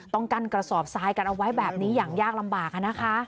ต้องกั้นกระสอบทรายกันเอาไว้แบบนี้อย่างยากลำบากนะคะ